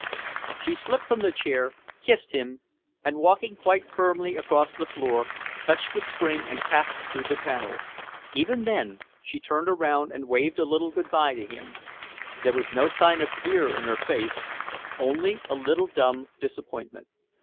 She slipped from the chair, kissed him, and, walking quite firmly across the floor, touched the spring and passed through the panel. Even then she turned around and waved a little good bye to him. There was no sign of fear in her face; only a little dumb disappointment.